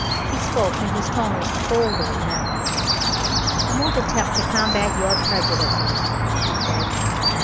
He spoke and his tone was colder than ever. "I won't attempt to combat your prejudices," he said.